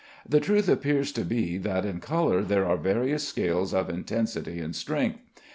The truth appears to be that in color there are various scales of intensity and strength.